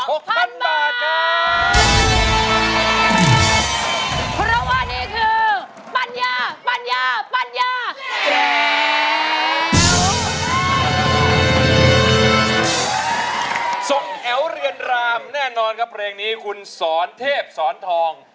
เป็นเพลงที่ได้รับรางวัลกึ่งศตวรรษร้าย